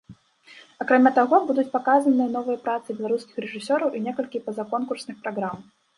Акрамя таго, будуць паказаныя новыя працы беларускіх рэжысёраў і некалькі пазаконкурсных праграм.